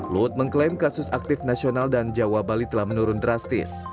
luhut mengklaim kasus aktif nasional dan jawa bali telah menurun drastis